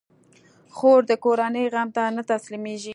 خور د کورنۍ غم ته نه تسلېږي.